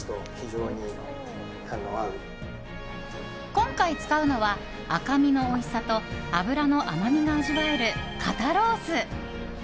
今回使うのは赤身のおいしさと脂の甘みが味わえる肩ロース。